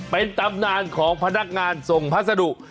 เป็นตำนานของพนักงานส่งพัสดุ